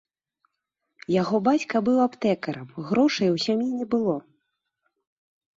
Яго бацька быў аптэкарам, грошай у сям'і не было.